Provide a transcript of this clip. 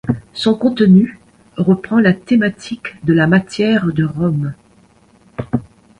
Son contenu reprend la thématique de la matière de Rome.